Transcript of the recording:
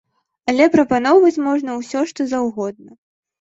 Але прапаноўваць можна ўсё што заўгодна.